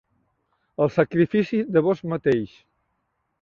...el sacrifici de vós mateix